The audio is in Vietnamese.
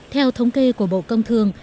theo thống kê của bộ công thương